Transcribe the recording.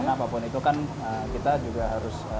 apapun itu kan kita juga harus